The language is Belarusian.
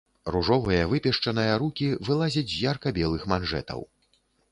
Ружовыя выпешчаныя рукі вылазяць з ярка-белых манжэтаў.